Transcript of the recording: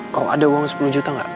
kalau ada uang sepuluh juta nggak